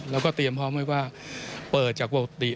แล้วก็เตรียมพร้อมไว้ว่าเปิดจากปกติ